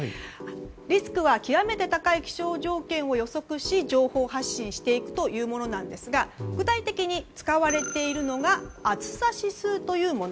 リスクが極めて高い気象条件を予測し情報を発信していくというものなんですが具体的に使われているのが暑さ指数というもの。